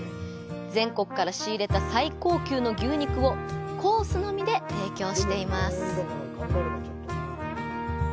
全国から仕入れた最高級の牛肉をコースのみで提供しています。